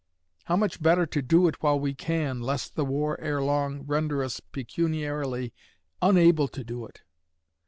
How much better to do it while we can, lest the war ere long render us pecuniarily unable to do it!